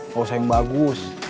gak usah yang bagus